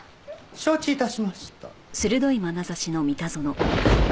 承知致しました。